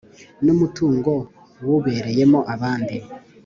n umutungo w ubereyemo abandi